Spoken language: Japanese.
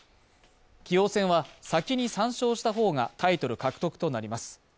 棋王戦は先に３勝した方がタイトル獲得となります。